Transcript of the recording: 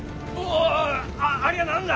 あありゃ何だ